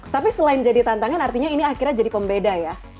tapi selain jadi tantangan artinya ini akhirnya jadi pembeda ya